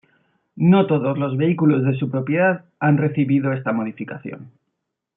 No todos los vehículos de su propiedad han recibido esta modificación.